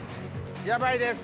やばいです。